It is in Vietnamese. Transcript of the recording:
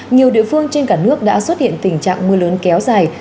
nhiều địa phương trên cả nước đã xuất hiện tình trạng mưa lớn kéo dài